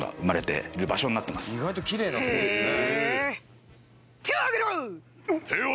意外ときれいなとこですね。